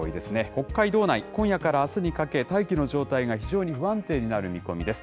北海道内、今夜からあすにかけ、大気の状態が非常に不安定になる見込みです。